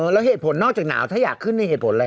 แล้วเหตุผลนอกจากหนาวถ้าอยากขึ้นในเหตุผลอะไร